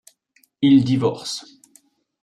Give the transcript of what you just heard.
Ils divorcent.